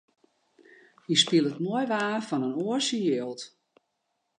Hy spilet moai waar fan in oar syn jild.